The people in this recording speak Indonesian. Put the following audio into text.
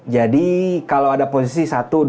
jadi kalo ada posisi satu dua tiga